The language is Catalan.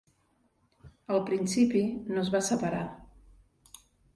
Al principi, no es va separar.